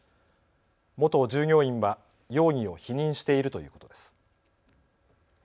元従業員は容疑を否認しているということです。